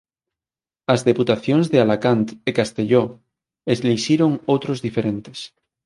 As deputacións de Alacant e Castelló elixiron outros diferentes.